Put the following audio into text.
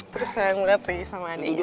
terus sayang banget nih sama adik gue